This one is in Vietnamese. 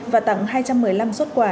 và tặng hai trăm một mươi năm suất quả